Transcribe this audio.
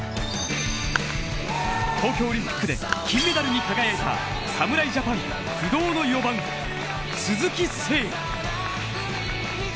東京オリンピックで金メダルに輝いた侍ジャパン不動の４番、鈴木誠也。